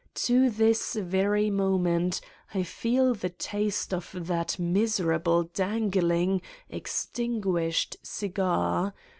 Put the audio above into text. ... To this very moment I feel the taste of that miser able dangling, extinguished cigar.